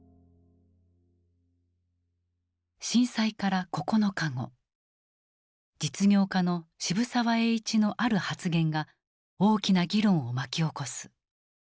震災から９日後実業家の渋沢栄一のある発言が大きな議論を巻き起こす。